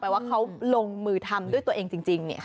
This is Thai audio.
ว่าเขาลงมือทำด้วยตัวเองจริง